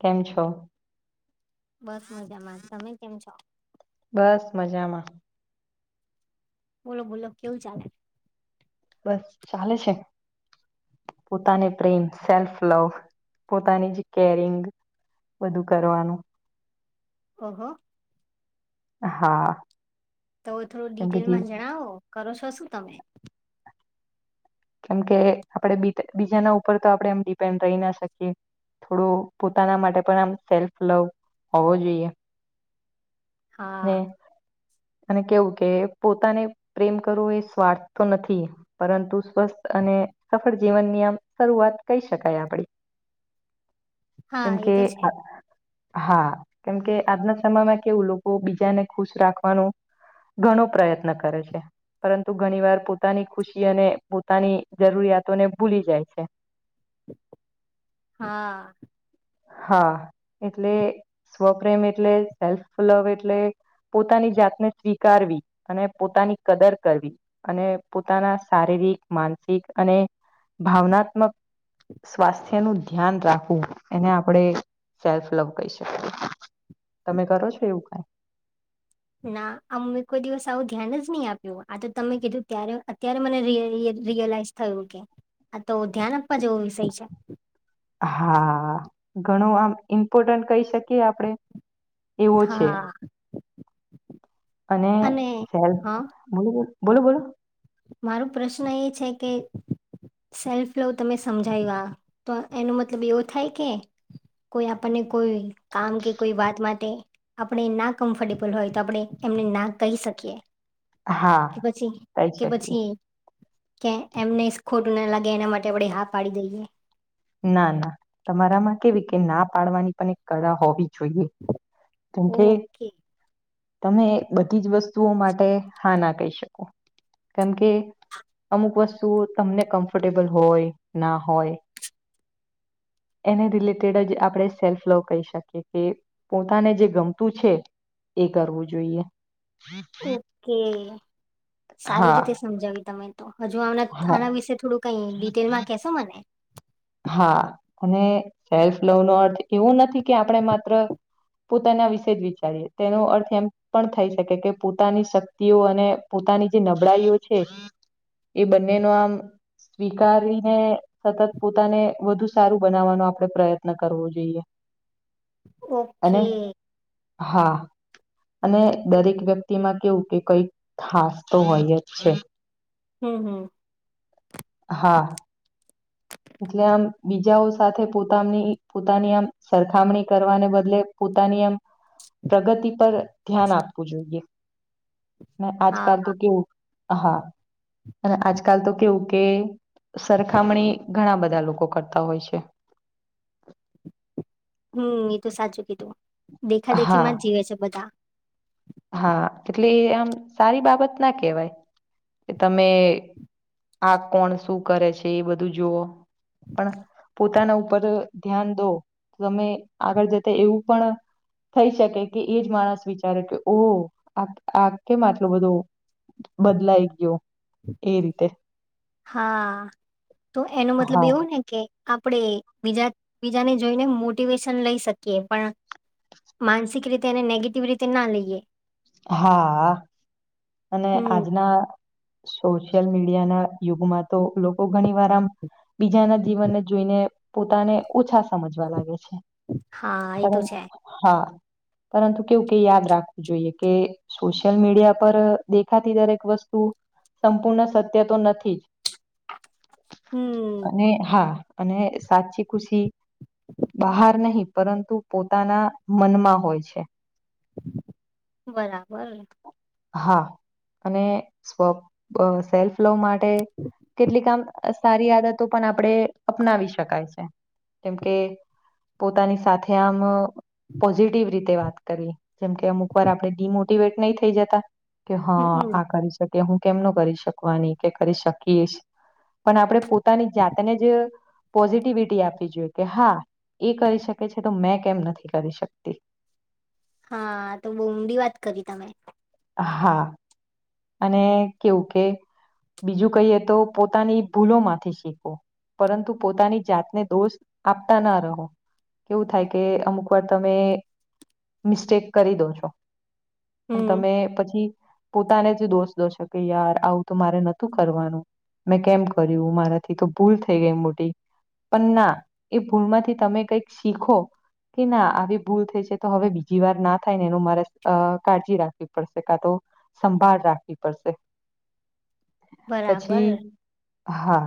કેમ છો? બસ મજામા, તમે કેમ છો? બસ, મજામા. બોલો, બોલો કેવ ચાલેે બસ ચાલે છે. પોતાને પ્રેમ સેલ્ફ, લવ પોતાની જ કેરિંગ. બધું કરવાનું ઓહો. હા. તો થોડુ કેમ કે ડિટેલમા જણાવો કરો છો, શું તમે? કેમકે આપડે બીજાના, ઉપર તો આપણે એમ ડિપેન્ડ રહી, ના શકીએ થોડું પોતાના, માટે પણ આમ સેલ્ફ લવ હોવો, જોઈએ. ને હા અને કેવું કે પોતાને પ્રેમ કરવો એ સ્વાર્થ તો નથી, પરંતુ સ્વસ્થ અને સફળ જીવનની, આમ શરૂઆત કહી, શકાય આપડી હા કેમ એ કે તો છે હા, કેમકે આજના સમયમાં કેવું લોકો બીજાને ખુશ, રાખવાનુ ઘણો પ્રયત્ન કરે છે. પરતુ ઘણી વાર પોતાની ખુશી, અને પોતાની જરૂરિયાતોને ભૂલી જાય છે. [unintelligible] હા. હા, એટલે સ્વપ્રેમ એટલે સેલ્ફ લવ એટલે પોતાની જાતને સ્વીકારવી અને પોતાની કદર, કરવી અને પોતાના શારીરિક માન માનસિક અને ભાવનાત્મક, સ્વાસ્થ્ય નુ ધ્યાન રાખવું. એને આપણેે સેલ્ફ લવ કહી, શકીએ તમે કરો છો, એવું કઈ? ના આ મેં કોઈ દિવસ આવું ધ્યાન જ નહી, આપ્યું આ તો તમે કીધું ત્યારે અત્યારે મને રિયલાઈઝ થયુ, કે આ તો ધ્યાન આપવા જેવો વિષય છે. હા, ઘણું આમ ઇમ્પોર્ટન્ટ કહી, શકી. કે આપડે, એવો છે. હ. અને સેલ્ બોલો, બોલો બોલો મારો પ્રશ્ન એ છે, કે સેલ્ફ લવ તમે સમજાવ, તો એનો મતલબ એવો થાય કે કોઈ આપણને કોઈ કામ કે કોઈ, વાત માટે આપણે ના કમ્ફર્ટેબલ હોય તો આપણે એમને ના કહી, શકીએ. કે હા પછી કે શકીએ પછી કે એમને ખોટુના લાગે, એના માટે આપણે હા, પાડી દઈએ. ના, ના તમારામાં કેવી કે ના પાડવાની પણ એક કળા હોવી જોઈએ, જેમ કે ઓકે તમે બધી જ વસ્તુઓ માટે હા, ના કહી, શકો કેમ કે અમુક વસ્તુ, તમને કમ્ફર્ટેબલ હોય, ના હોય. એને રિલેટેડ જ આપણે સેલ્ફ લવ કહી, શકીએ કે પોતાને જે ગમતુ છે એ કરવું જોઈએ. ઓકે સારી હા રીતે સમજાવી તમે તો હજુ હા આના-આના વિશે થોડું કઈ ડિટેલમાં કેશો મને હા અને સેલ્ફ લવ નો અર્થ એવું નથી કે આપણે માત્ર પોતાના વિશે જ વિચારીએ તેનો અર્થ એમ પણ થઈ શકે કે પોતાની શક્તિઓ અને પોતાની જે નબળાઈઓ છે એ બંને ન આમ સ્વીકારીને સતત પોતાને વધુ સારું બનાવવાનો આપણે પ્રયત્ન કરવો જોઈએ. અને ઓકે. હા. અને દરેક વ્યક્તિમાં કેવું કે કઈક ખાસ તો હોય જ છે. હમ હમ. હા. એટલે આમ બીજાઓ સાથે પોતાની-પોતાની આમ સરખામણી કરવાને બદલે પોતાની આમ પ્રગતિ પર ધ્યાન આપવું જોઈએ. ને હા આજકાલ તો કેવું હા અને આજકાલ તો કેવું કે સરખામણી ઘણા બધા લોકો કરતા હોય છે. હમ એ તો સાચું કીધું દેખા હા દેખીમાં જ જીવે છે બધા. હા એટલે આમ સારી બાબત ના કેહેવાય કે તમે આ કોણ શું કરે છે એ બધું જુઓ. પણ પોતાના ધ્યાન દો તમે આગળ જતા એવું પણ થઈ શકે કે એ જ માણસ વિચારે કે ઓ આ-આ કેમ આટલો બધું બદલાઈ ગયો એ રીતે હા તો એનો મતલબ હા એવું ને કે આપણે બીજા બીજાને જોઈને મોટિવેશન લઈ શકીએ પણ માનસિક રીતે અને નેગેટિવ રીતે ના લઈએ. હા અને હમ, આજના સોશિયલ મીડિયા ના યુગમાં તો લોકો ઘણી વાર આમ બીજાના જીવનને જોઈને પોતાને ઓછા સમજવા લાગે. હા એ તો છે. હા પરંતુ કેવું કે યાદ રાખવું જોઈએ કે સોશિયલ મીડિયા પર દેખાતી દરેક વસ્તુ સંપૂર્ણ સત્ય તો નથી જ હમ, અને હા અને સાચી ખુશી બહાર નહી પરંતુ પોતાના મનમાં હોય છે. બરાબર. હા અને સપ સેલ્ફ લો માટે કેટલી કામ સારી આદતો પણ આપડે અપનાવી શકાય છે જેમકે પોતાની સાથે આમ પોઝિટિવ રીતે વાત કરીએ જેમ કે અમુક વાર આપણે ડીમોટીવેટ નહી થઈ જતા કે હા હમમ, આ કરી શકે કે હું કેમ ન કરી શકવાની કે કરી શકીશ પણ આપણે પોત પોતાની જાતને જ પોઝિટિવિટી આપવી જોઈએ કે હા એ કરી શકે છે તો મેં કેમ નથી કરી શકતી હા તો બહુ ઊંડી વાત કરી તમે હા અને કેવું કે બીજું કહીએ તો પોતાની ભૂલો માંથી શીખો પરંતુ પોતાની જાતને દોષ આપતા ના રહો કેવું થાય કે અમુક વાર તમે મિસ્ટેક કરી દો છો પણ હમ, તમે પછી પોતાને જ દોષ દોશે કે યાર આવું તો મારે નતું કરવાનું મેં કેમ કર્યું મારાથી તો ભૂલ થઈ ગઈ મોટી પણ ના એ ભૂલમાંથી તમે કઈક શીખો કે ના આવી ભૂલ થઈ છે તો હવે બીજી વાર ના થાય ને એનું મારે કાળજી રાખવી પડશે કા તો સંભાળ રાખવી પડશે પછી બરાબર હા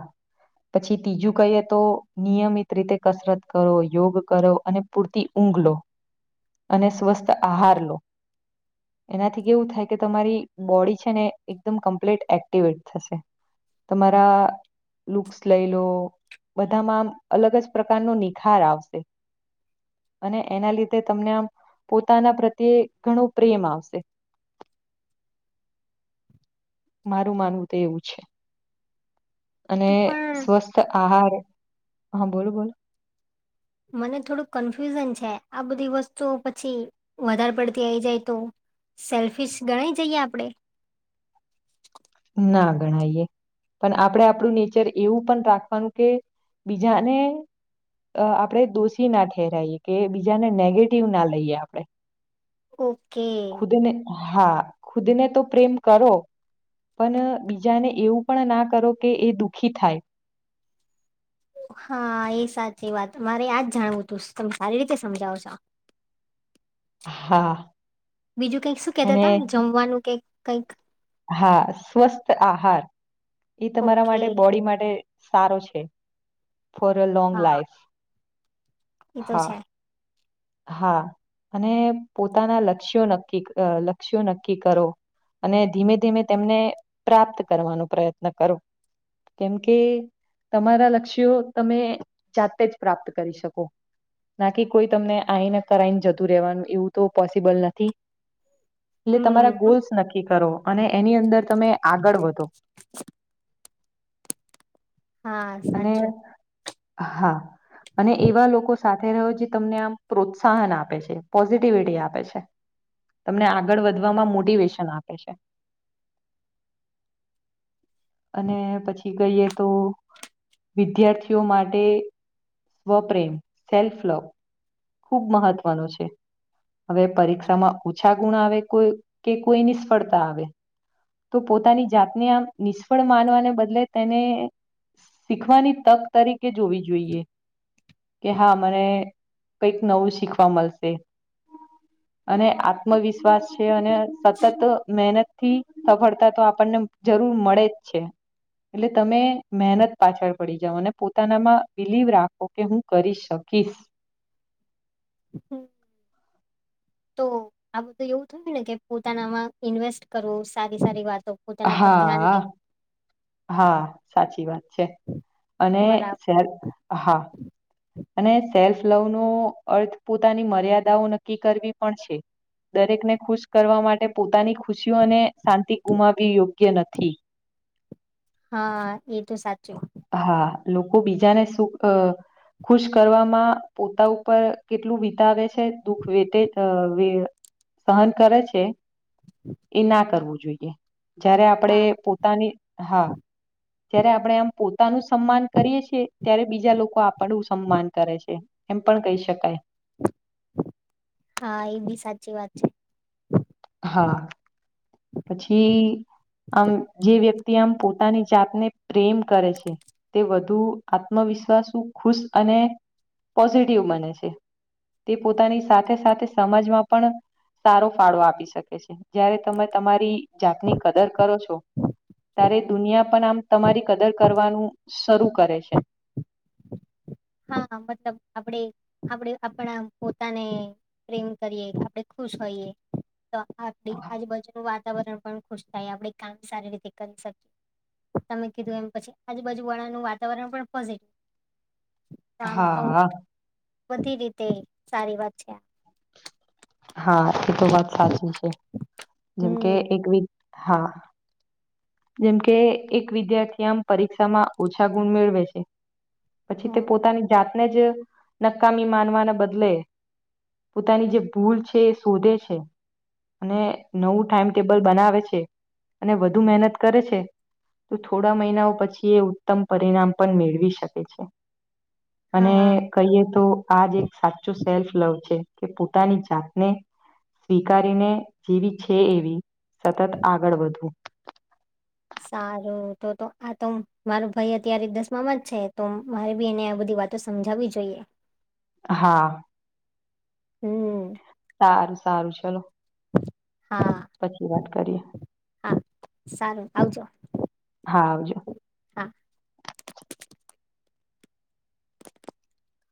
પછી તીજું કહીએ તો નિયમિત રીતે કસરત કરો યોગ કરો અને પૂરતી ઊંઘ- -લો અને સ્વસ્થ આહાર લો એનાથી કેવું થાય કે તમારી બોડી છે ને એકદમ કમ્પ્લીટ એક્ટિવેટ થશે તમારા લુક્સ લઈ લો બધામાં આમ અલગ જ પ્રકારનો નિખાર આવશે અને એના લીધે તમને આમ પોતાના પ્રત્યે ઘણું પ્રેમ આવશે [inaudible] મારું માનવું તો એવું છે અને તો પણ સ્વસ્થ આહાર હા બોલો બોલો મને થોડું કન્ફ્યુઝન છે આ બધી વસ્તુઓ પછી વધારે પડતી આઈ જાય તો સેલ્ફિશ ગણ જઈએ આપણે [inaudible] ના ગણાયએ પણ આપણે આપણું નેચર એવું પણ રાખવાનું કે બીજાને અ આપણે દોષી ના ઠેરાઈએ કે બીજાને નેગેટિવ ના લઈએ આપણે ઓકે ખુદને હા ખુદ ને તો પ્રેમ કરો પણ બીજાને એવું પણ ના કરો કે એ દુઃખી થાય હા એ સાચી વાત મારે યાજ જાણવું હતું તમે સારી રીતે સમજાવો છો [inaudible] હા બીજું કંઈક શું કેતા અને તા? જમવાનું કે કંઈક? હા સ્વસ્થ આહાર એ તમારા ઓકે. માટે બોડી માટે સારો છે ફોર અ લ લોંગ હા લાઈફ એ તો હા છે હા અને પોતાના લક્ષ્યો નક્કી લક્ષ્યો નક્કી કરો અને ધીમે ધીમે તેમને પ્રાપ્ત કરવાનો પ્રયત્ન કરો કેમ કે તમારા લક્ષ્યો તમે જાતે જ પ્રાપ્ત કરી શકો નાકી કોઈ તમને આઈને કરાઈને જતું રહેેવાનું એવું તો પોસિબલ નથી એટલે હમ, તમારા ગોલ્સ નક્કી કરો અને એની અંદર તમે આગળ વધો હા અને સાચું હા અને એવા લોકો સાથે રહ્યો જે તમને આમ પ્રોત્સાહન આપે છે પોઝિટિવિટી આપે છે તમને આગળ વધવામાં મોટિવેશન આપે છે અને પછી કહીએ તો વિદ્યાર્થીઓ માટે સ્વપ્રેમ સેલ્ફ લવ ખૂબ મહત્વનો છે હવે પરીક્ષામાં ઓછા ગુણ આવે કોઈ કે કોઈ નિષ્ફળતા આવે તો પોતાની જાતને આમ નિષ્ફળ માનવાને બદલે તેને શીખવાની તક તરીકે જોવી જોઈએ કે હા મને કંઈક નવું શીખવા મળશે અને આત્મવિશ્વાસ છે અને સતત ત મહેનત થી સફળતા તો આપણને જરૂર હું મળે જ છે એટલે તમે મહેનત પાછળ પડી જાઓ અને પોતાનામાં બિલીવ રાખો કે, હું કરી શકું. કિસ. હું. તો આ બધું એવું થયું ને કે, પોતાનામાં ઈન્વેસ્ટ કરવો સારી સારી વાત. તો પોતાના પર ધ્યાન હા દેવુ. હા, સાચી વાત છે. અને બરાબર જ્યારે હા અને સેલ્ફ લવનો અર્થ પોતાની મર્યાદાઓ નક્કી કરવી પણ છે. દરેક ને ખુશ કરવા માટે પોતાની ખુશીઓ અને શાંતિ ગુમાવી યોગ્ય નથી. હા, એ તો સાચું. હા, લોકો બીજાને સુખ ખુશ કરવામાં પોતા ઉપર કેટલું વિતાવે છે, દુઃખ વિતે એ બી અ સહન કરે છે, એ ના કરવું જોઈએ. જ્યારે આપણે હા પોતાની હા, જ્યારે આપણે આમ પોતાનું સમ્માન કરીએ છે ત્યારે, બીજા લોકો આપણું સમ્માન કરે છે, એમ પણ કહી શકાય. [unintelligible] હા, એ બી સાચી વાત છે. હા, પછી. આમ જે વ્યક્તિ આમ પોતાની જાતને પ્રેમ કરે છે, તે વધુ આત્મવિશ્વાસ વિશ્વાશું ખુશ અને પોઝિટિવ બને છે. તે પોતાની સાથે સાથે સમાજમાં પણ સારો ફાળો આપી શકે. શકે છે. જયારે તમે તમારી જાતની કદર કરો છો, ત્યારે દુનિયા પણ આમ તમારી કદર કરવાનું શરૂ કરે છે. હા, મતલબ આપણેે આપણે આપણા પોતાને પ્રેમ કરીએ આપણે ખુદ તો જોઈએ આજુબાજુ વાત વાતાવરણ પણ ખુશ થાય, આપણે કામ સારી રીતે કરી શકીએ. તમે કીધું એમ, પછી આજુબાજુ વાળાનું વાતાવરણ પણ પોઝિટિવ આમ તો હા, આ. બધી રીતે સારી વાત છે. હા, એ તો વાત સાચી છે. જેમ કે, હમ એક વીક હા જેમ કે એક વિદ્યાર્થી આમ પરીક્ષામાં ઓછા ગુણ મેળવે છે. પછી તે હા પોતાની જાત અને જ નકામી માનવાના બદલે પોતાની જે. ભૂલ છે એ શોધે છે. અને નવું ટાઈમટેબલ બનાવે છે, અને વધુ મહેનત કરે છે. તો થોડા મહિનાઓ પછી એ ઉત્તમ પરિણામ પણ મેળવી શકે છે. અને હા કહીએ તો, આજ એક સાચું સેલ્ફ લવ છે કે, પોતાના પોતાની જાતને સ્વીકારીને, જેવી છે એવી, સતત આગળ વધવું. સારું, તો તો આ તો મારો ભાઈ અત્યારે દસમામાં જ છે. તો મારી ભી એને આ બધી વાતો સમજાવવી જોઈએ. હા, હમ સારું સારું. ચાલો. હા, હા, સારું. આવજો. હા, આવજો. હા